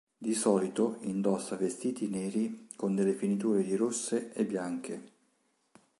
Di solito, indossa vestiti neri con delle finiture di rosse e bianche.